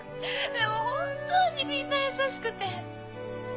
でも本当にみんな優しくて。